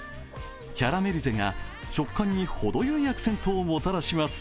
キャラメリゼが食感にほどよいアクセントをもたらします。